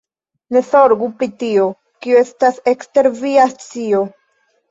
Ne zorgu pri tio, kio estas ekster via scio.